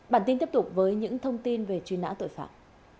bản tin tiếp tục với những thông tin về truy nã tội phạm